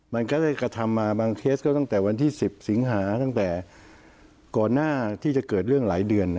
มันก็ได้กระทำมาบางเคสก็ตั้งแต่วันที่๑๐สิงหาตั้งแต่ก่อนหน้าที่จะเกิดเรื่องหลายเดือน